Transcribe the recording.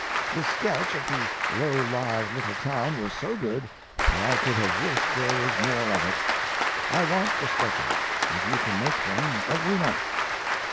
The sketch of the low lived little town was so good that I could have wished there was more of it. I want the sketches, if you can make them, every month.